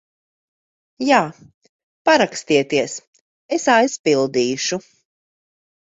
Jā. Parakstieties, es aizpildīšu.